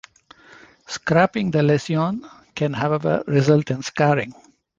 Scraping the lesion can however result in scarring.